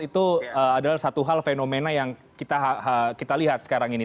itu adalah satu hal fenomena yang kita lihat sekarang ini